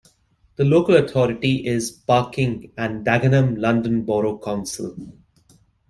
The local authority is Barking and Dagenham London Borough Council.